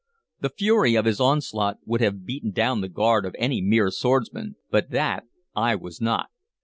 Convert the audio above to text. The fury of his onslaught would have beaten down the guard of any mere swordsman, but that I was not.